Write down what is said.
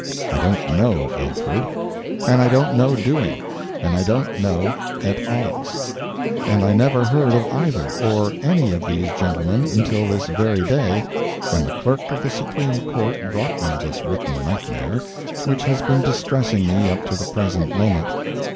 I don't know Alford, and I don't know Dewing, and I don't know Et Als—and I never heard of either, or any of these gentlemen until this very day, when the Clerk of the Supreme Court brought me this written nightmare, which has been distressing me up to the present moment.